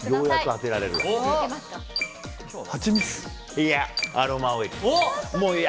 いや、アロマオイル。